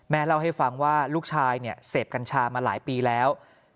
เล่าให้ฟังว่าลูกชายเสพกัญชามาหลายปีแล้ว